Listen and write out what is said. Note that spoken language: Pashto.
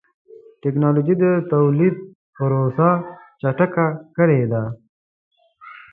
ټکنالوجي د تولید پروسه چټکه کړې ده.